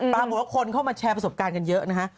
ปรากฏว่าคนเข้ามาแชร์ประสบการณ์กันเยอะนะฮะ